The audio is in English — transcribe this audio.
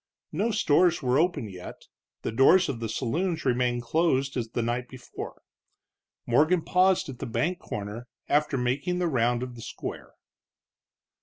No stores were open yet; the doors of the saloons remained closed as the night before. Morgan paused at the bank corner after making the round of the square.